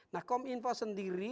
nah kominfo sendiri